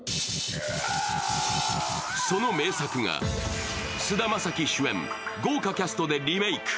その名作が菅田将暉主演、豪華キャストでリメーク。